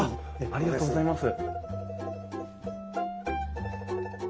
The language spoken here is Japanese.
ありがとうございます。